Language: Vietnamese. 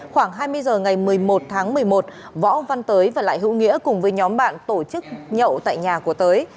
khoảng hai mươi h ngày một mươi một tháng một mươi một võ văn tới và lại hữu nghĩa cùng với nhóm bạn tổ chức nhậu tại nhà của tới